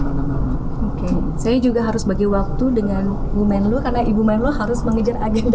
bagaimana oke saya juga harus bagi waktu dengan gu resort karena ibu menurut harus mengijak agenda